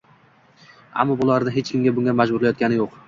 ammo ularni hech kim bunga majburlayotgani yo‘q